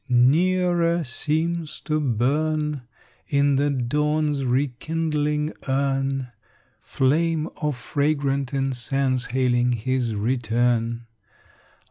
Nearer seems to burn In the dawn's rekindling urn Flame of fragrant incense, hailing his return.